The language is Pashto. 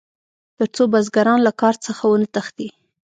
تر څو بزګران له کار څخه ونه تښتي.